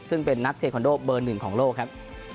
ซึ่งเป็นนักเทคโนโลด์เบอร์๑ของโลกครับ